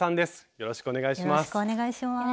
よろしくお願いします。